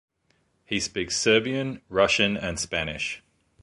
He speaks Serbian, Russian, and Spanish.